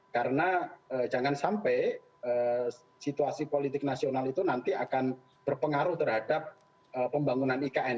karena jangan sampai situasi politik nasional itu nanti akan berpengaruh terhadap pembangunan ikn